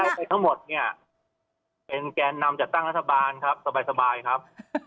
ไปทั้งหมดเนี่ยเป็นแกนนำจัดตั้งรัฐบาลครับสบายครับ